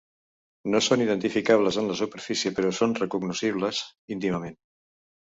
No són identificables en la superfície, però són recognoscibles íntimament.